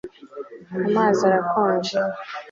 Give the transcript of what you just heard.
Amazi arakonje